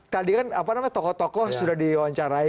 tadi kan apa namanya tokoh tokoh sudah diwawancarai